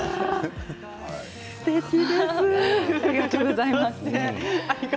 ありがとうございます。